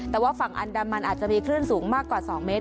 แต่ว่าฝั่งอันดามันอาจจะมีคลื่นสูงมากกว่า๒เมตร